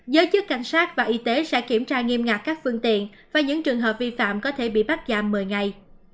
giới chức cảnh sát và y tế sẽ kiểm tra nghiêm ngặt các phương tiện và những trường hợp vi phạm có thể bị bắt giam một mươi ngày